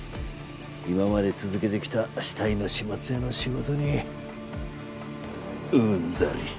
今まで続けてきた死体の始末屋の仕事にうんざりしてたんでね。